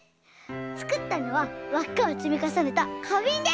つくったのはわっかをつみかさねたかびんです。